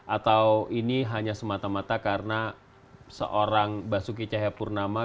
atau ini hanya semata mata karena seorang basuki cahayapurnama